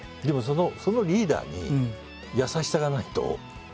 でもそのリーダーに優しさがないと。